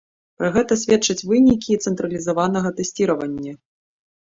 Пра гэта сведчаць вынікі цэнтралізаванага тэсціравання.